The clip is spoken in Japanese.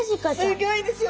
すギョいですよ！